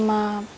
sampai jumpa lagi